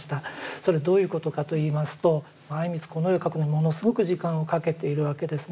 それはどういうことかといいますと靉光この絵を描くのにものすごく時間をかけているわけですね。